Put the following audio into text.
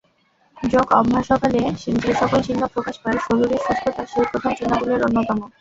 যোগ-অভ্যাসকালে যে-সকল চিহ্ন প্রকাশ পায়, শরীরের সুস্থতা সেই প্রথম চিহ্নগুলির অন্যতম।